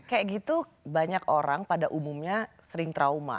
kayak gitu banyak orang pada umumnya sering trauma